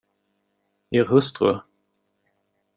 Er hustru...